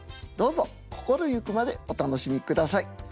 どうぞ心ゆくまでお楽しみください。